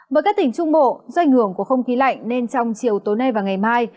với các tỉnh trung bộ do ảnh hưởng của không khí lạnh nên trong chiều tối nay và ngày mai